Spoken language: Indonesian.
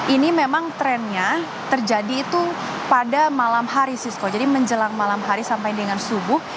ini memang trennya terjadi itu pada malam hari sisko jadi menjelang malam hari sampai dengan subuh